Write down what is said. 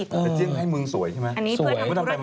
ด้วยสี่เซี่ยงไฮเมืองสวยใช่มะ